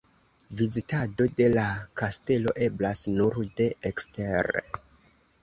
Vizitado de la kastelo eblas nur de ekstere.